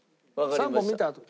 ３本見たあとで。